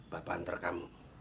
bapak anter kamu